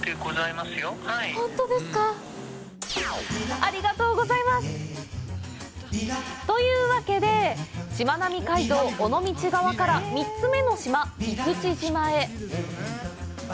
ありがとうございます！というわけで、しまなみ海道尾道側から３つ目の島・生口島へ！